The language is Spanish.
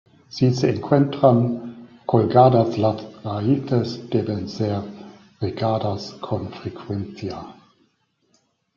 Si se encuentran colgadas las raíces deben ser regadas con frecuencia.